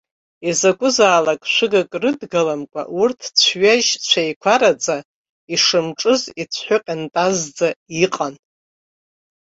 Изакәызаалак шәыгак рыдгаламкәа, урҭ цәҩеижь-цәеиқәараӡа, ишымҿыз ицәҳәыҟьантазӡа иҟан.